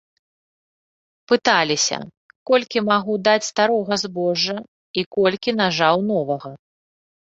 Пыталіся, колькі магу даць старога збожжа і колькі нажаў новага.